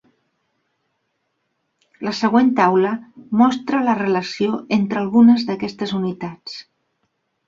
La següent taula mostra la relació entre algunes d'aquestes unitats.